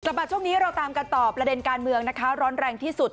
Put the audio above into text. สำหรับช่วงนี้เราตามกันตอบประเด็นการเมืองร้อนแรงที่สุด